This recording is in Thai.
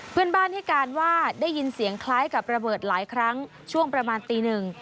เพื่อนบ้านให้การว่าได้ยินเสียงคล้ายกับระเบิดหลายครั้งช่วงประมาณตีหนึ่ง